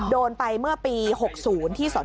โดนไปเมื่อปี๖๐ที่สน